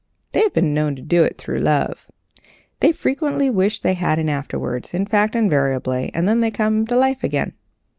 They have been known to do it through love. They frequently wish they hadn't afterward in fact, invariably and then they can come to life again.